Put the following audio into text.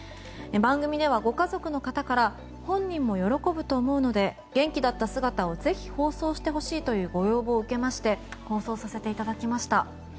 番組ではご家族の方から本人も喜ぶと思うので元気だった姿をぜひ放送してほしいというご要望を受けまして放送させていただきました。